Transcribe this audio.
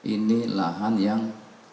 ini lahan yang